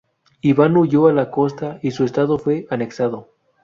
Iván huyó a la costa y su estado fue anexado.